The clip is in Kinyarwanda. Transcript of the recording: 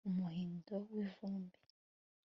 umuhindo w'ivumbi